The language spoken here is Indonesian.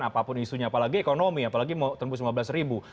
apapun isunya apalagi ekonomi apalagi mau tembus lima belas ribu